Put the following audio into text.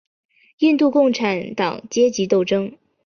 印度共产党阶级斗争。